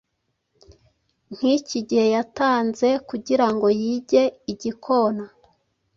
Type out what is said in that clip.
nkigihe yatanze kugirango yige igikona.